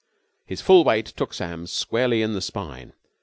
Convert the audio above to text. His full weight took Sam squarely in the spine.